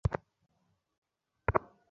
আমাকে মাফ করে দাও।